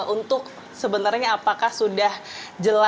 untuk sebenarnya apakah sudah jelas